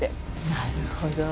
なるほどね。